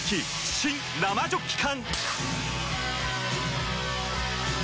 新・生ジョッキ缶！